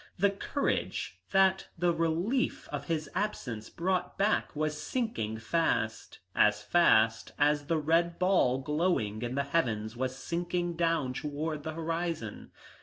The courage that the relief of his absence brought back was sinking fast, as fast as the red ball glowing in the heavens was sinking down towards the horizon.